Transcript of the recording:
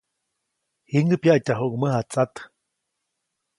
Jiŋäʼ pyaʼtyajuʼuŋ mäjatsat.